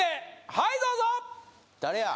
はいどうぞ誰や？